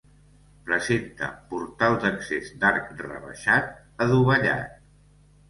Presenta portal d'accés d'arc rebaixat, adovellat.